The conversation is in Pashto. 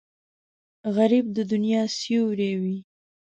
غریب د دنیا سیوری وي